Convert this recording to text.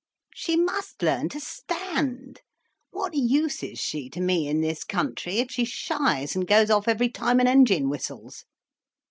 "She must learn to stand—what use is she to me in this country, if she shies and goes off every time an engine whistles."